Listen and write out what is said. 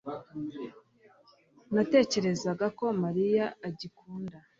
Natekerezaga ko Mariya agikunda